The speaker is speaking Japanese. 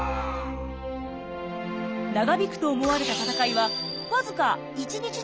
長引くと思われた戦いはわずか１日で決着。